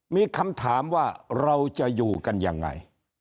มีคำถามว่าเราจะอยู่กันยังไง